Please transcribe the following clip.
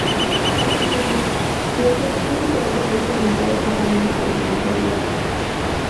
Asimismo, si los continentes se hallan muy fragmentados habrá menos continentalidad.